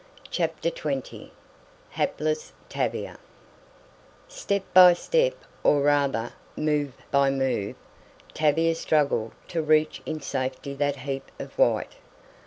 CHAPTER XX HAPLESS TAVIA Step by step, or rather, move by move, Tavia struggled to reach in safety that heap of white.